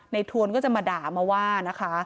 ทวนก็จะมาด่ามาว่านะคะ